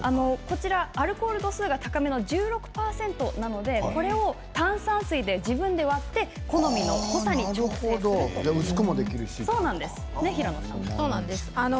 アルコール度数が高めの１６％なのでこれを炭酸水で自分で割って好みの濃さに調整するということなんです。